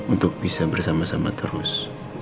untuk bisa bersama sama terus